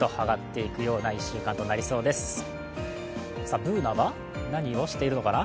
Ｂｏｏｎａは何をしているのかな？